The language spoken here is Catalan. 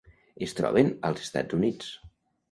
Es troben als Estats Units.